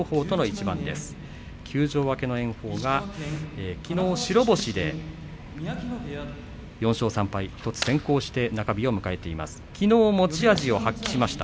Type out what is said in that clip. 休場明けの炎鵬がきのう白星で４勝３敗、勝ち星が先行して中日を迎えました。